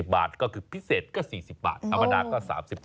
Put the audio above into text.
๓๕๔๐บาทก็คือพิเศษก็๔๐บาทอัมดาก็๓๕บาท